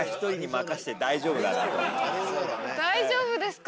大丈夫ですか？